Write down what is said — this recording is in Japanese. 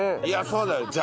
いやそうだよ。